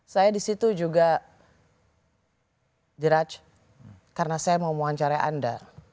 saya disitu juga diraj karena saya mau menguacarai anda